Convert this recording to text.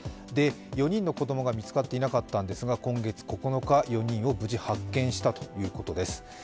４人の子供が見つかっていなかったんですが、今月９日、４人を無事発見したということです。